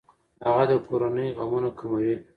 هغه د کورنۍ غمونه کموي.